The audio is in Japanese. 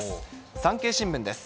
産経新聞です。